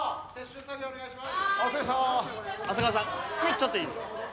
ちょっといいですか？